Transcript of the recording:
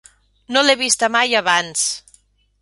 No l'he vista mai abans.